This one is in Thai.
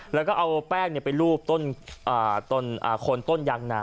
แล้วก็เอาแป้งไปรูปต้นคนต้นยางนา